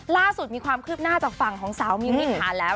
ล่าสุดมีความคืบหน้าจากฝั่งของสาวมิวนิถาแล้ว